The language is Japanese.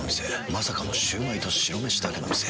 まさかのシュウマイと白めしだけの店。